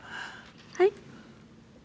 はい？